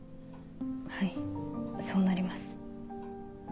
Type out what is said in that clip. はいそうなります。